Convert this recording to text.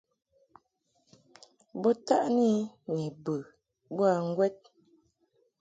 Bo taʼni I ni bə boa ŋgwɛd.